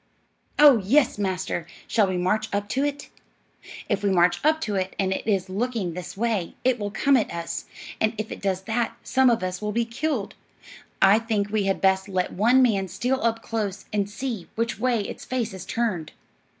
"Oh, yes, master; shall we march up to it?" "If we march up to it, and it is looking this way, it will come at us, and if it does that, some of us will be killed. I think we had best let one man steal up close and see which way its face is turned."